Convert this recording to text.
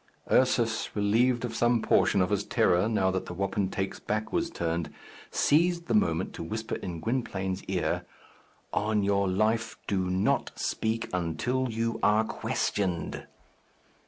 Ursus, relieved of some portion of his terror now that the wapentake's back was turned, seized the moment to whisper in Gwynplaine's ear, "On your life, do not speak until you are questioned."